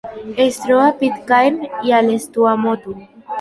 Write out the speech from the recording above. Es troba a Pitcairn i a les Tuamotu.